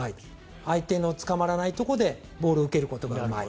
相手につかまらないところでボールを受けることがうまい。